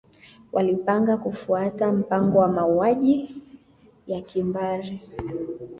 walipanga kufuata mpango wa mauaji ya kimbari